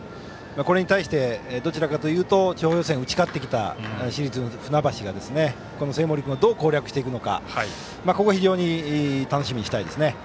これに対して、どちらかというと地方予選は打ち勝ってきた市立船橋がこの生盛君をどう攻略していくか楽しみにしたいですね。